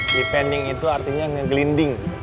depending itu artinya ngegelinding